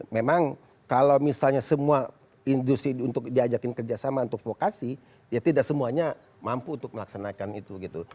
memang kalau misalnya semua industri untuk diajakin kerjasama untuk vokasi ya tidak semuanya mampu untuk melaksanakan itu gitu